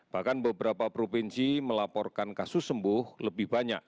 bahkan beberapa provinsi melaporkan kasus sembuh lebih banyak